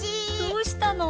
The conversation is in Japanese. どうしたの？